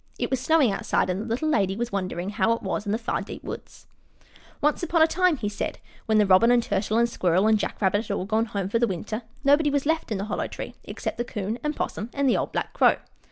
IT WAS SNOWING OUTSIDE, AND THE LITTLE LADY WAS WONDERING HOW IT WAS IN THE FAR DEEP WOODS Once upon a time, he said, when the Robin, and Turtle, and Squirrel, and Jack Rabbit had all gone home for the winter, nobody was left in the Hollow Tree except the 'Coon and 'Possum and the old black Crow.